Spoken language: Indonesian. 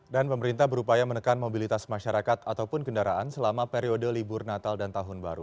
dan pemerintah berupaya menekan mobilitas masyarakat ataupun kendaraan selama periode libur natal dan tahun baru